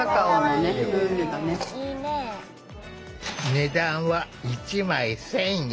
値段は１枚１，０００円。